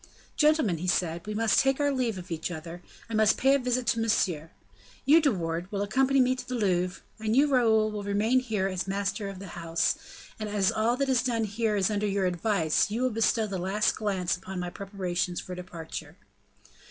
"Gentlemen," he said, "we must take our leave of each other, I must pay a visit to Monsieur. You, De Wardes, will accompany me to the Louvre, and you, Raoul, will remain here master of the house; and as all that is done here is under your advice, you will bestow the last glance upon my preparations for departure."